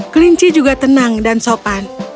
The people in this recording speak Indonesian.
kelinci juga tenang dan sopan